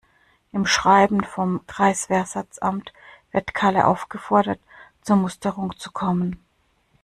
Im Schreiben vom Kreiswehrersatzamt wird Kalle aufgefordert, zur Musterung zu kommen.